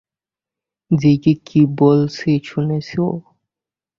জিগি, কি বলছি শুনছিস?